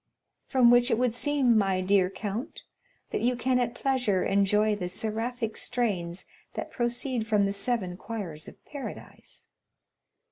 "From which it would seem, my dear count, that you can at pleasure enjoy the seraphic strains that proceed from the seven choirs of paradise?"